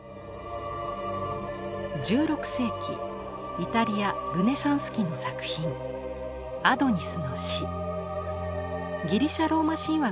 １６世紀イタリア・ルネサンス期の作品が題材です。